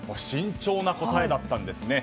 慎重な答えだったんです。